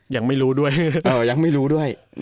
ยังไม่รู้ด้วย